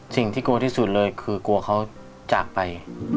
สิ่งที่กลัวที่สุดเลยคือกลัวเขาจากไป